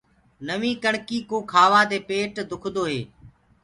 نوينٚ ڪڻڪي ڪوُ کآوآ دي پيٽ دُکدو هي۔